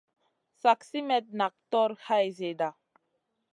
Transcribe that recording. Slak simètna nak tog hay zida.